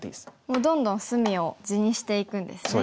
もうどんどん隅を地にしていくんですね。